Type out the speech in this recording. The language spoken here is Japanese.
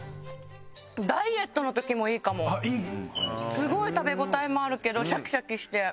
すごい食べ応えもあるけどシャキシャキして。